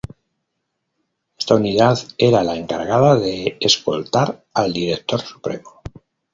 Esta unidad era la encargada de escoltar al director supremo.